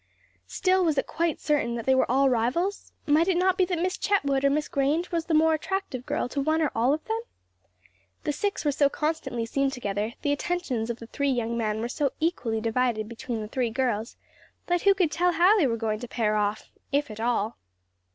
Still was it quite certain that they were all rivals? might it not be that Miss Chetwood or Miss Grange was the more attractive girl to one or all of them? The six were so constantly seen together, the attentions of the three young men were so equally divided between the three girls, that who could tell how they were going to pair off, if at all?